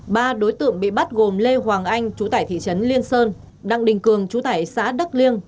ba đối tượng bị bắt gồm lê hoàng anh chú tại thị trấn liên sơn đăng đình cường chú tại xã đắk liêng